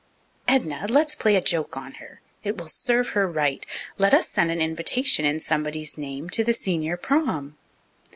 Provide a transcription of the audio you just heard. "Edna, let's play a joke on her. It will serve her right. Let us send an invitation in somebody's name to the senior 'prom.'"